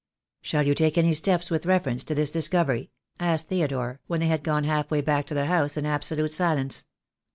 "Shall you take any steps with reference to this dis covery?" asked Theodore, when they had gone half way back to the house in absolute silence.